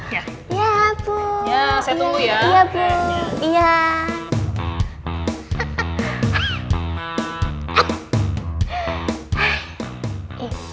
ya saya tunggu ya